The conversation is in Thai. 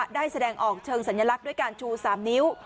ได้แสดงออกเชิงสัญลักษณ์ด้วยการชู๓นิ้ว